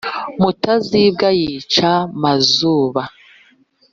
mutazimbwa yica mazuba